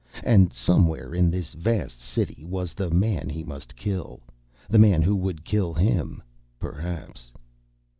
And somewhere in this vast city was the man he must kill. The man who would kill him, perhaps.